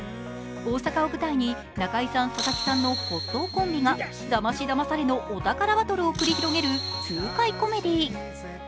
大阪を舞台に中井さん、佐々木さんの骨董コンビがだましだまされのお宝バトルを繰り広げる痛快コメディー。